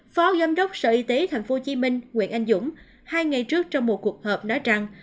phó giám đốc sở y tế tp hcm nguyễn anh dũng hai ngày trước trong một cuộc họp nói rằng